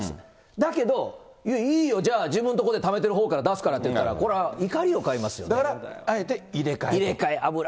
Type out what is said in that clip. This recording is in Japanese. だけど、いいよ、じゃあ、自分とこでためてるほうから出すからって言ったら、これは怒りをだからあえて入れ替えと。